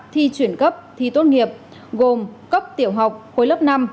thi chuyển cấp thi tốt nghiệp gồm cấp tiểu học khối lớp năm